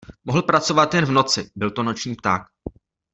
Mohl pracovat jen v noci, byl to noční pták.